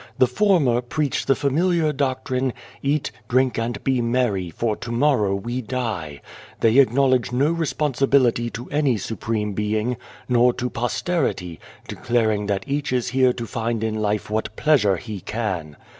The former preach the familiar doctrine, ' Eat, drink, and be merry, for to morrow we die.' They acknowledge no responsibility to any Supreme Being, nor to posterity, declaring that each is here to find in life what pleasure he can.